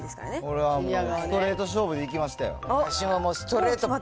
これはもう、ストレート勝負でいきましたよ。